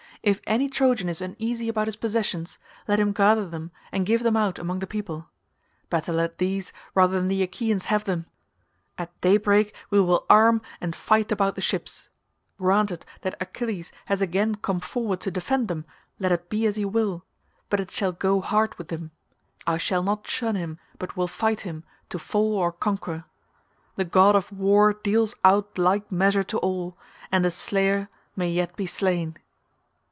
If any Trojan is uneasy about his possessions, let him gather them and give them out among the people. Better let these, rather than the Achaeans, have them. At daybreak we will arm and fight about the ships; granted that Achilles has again come forward to defend them, let it be as he will, but it shall go hard with him. I shall not shun him, but will fight him, to fall or conquer. The god of war deals out like measure to all, and the slayer may yet be slain."